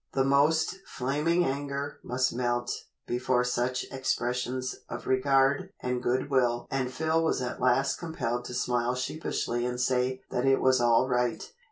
The most flaming anger must melt before such expressions of regard and goodwill and Phil was at last compelled to smile sheepishly and say that it was all right.